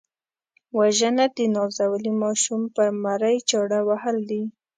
وژنه د نازولي ماشوم پر مرۍ چاړه وهل دي